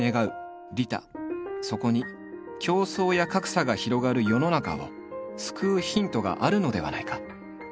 そこに競争や格差が広がる世の中を救うヒントがあるのではないか。